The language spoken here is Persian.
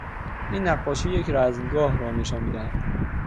این نقاشی یک رزمگاه را نشان میدهد.